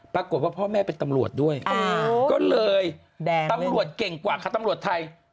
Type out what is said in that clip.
ปรากฏว่าพ่อแม่เป็นตำรวจด้วยก็เลยตำรวจเก่งกว่าค่ะตำรวจไทย